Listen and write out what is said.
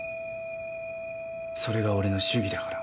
それが俺の主義だから。